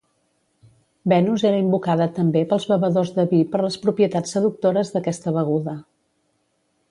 Venus era invocada també pels bevedors de vi per les propietats seductores d'aquesta beguda.